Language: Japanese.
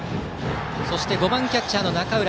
そして５番キャッチャーの中浦。